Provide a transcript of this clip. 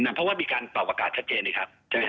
เพราะว่ามีการปรับอากาศชัดเจนอีกครับ